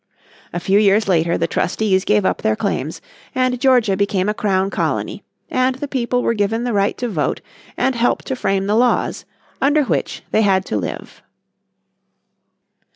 A few years later the trustees gave up their claims and Georgia became a Crown Colony, and the people were given the right to vote and help to frame the laws under which they had to live.